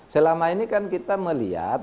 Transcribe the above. selama ini kan kita melihat